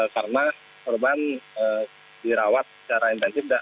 karena korban dirawat secara intensif